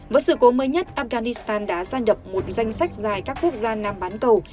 với sự cố mới nhất afghanistan đã gia nhập một danh sách dài các quốc gia nam bán cầu